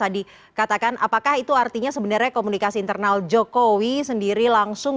tadi katakan apakah itu artinya sebenarnya komunikasi internal jokowi sendiri langsung